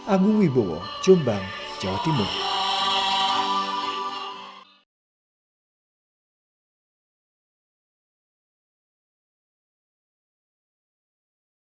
agung wibowo jombang jawa timur